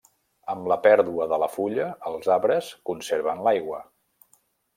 Amb la pèrdua de la fulla els arbres conserven l'aigua.